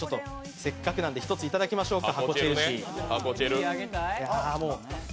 せっかくなので１ついただきましょうか。